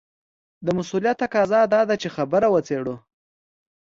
د مسووليت تقاضا دا ده چې خبره وڅېړو.